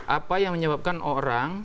apa yang menyebabkan orang